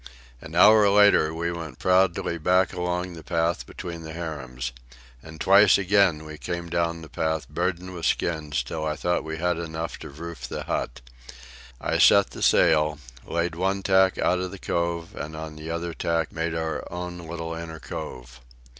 An hour later we went proudly back along the path between the harems. And twice again we came down the path burdened with skins, till I thought we had enough to roof the hut. I set the sail, laid one tack out of the cove, and on the other tack made our own little inner cove.